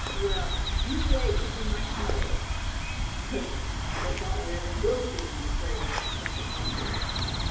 Well, you wait and see my smoke." "Huh! that's all I ever will see, I'm afraid," chuckled Bumpus.